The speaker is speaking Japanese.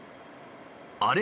あれ？